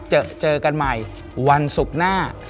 เจอเจอกันใหม่วันศุกร์หน้า